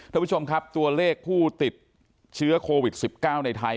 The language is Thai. ท่านผู้ชมครับตัวเลขผู้ติดเชื้อโควิด๑๙ในไทย